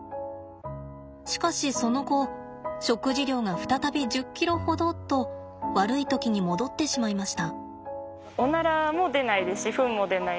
しかしその後食事量が再び１０ｋｇほどと悪い時に戻ってしまいました。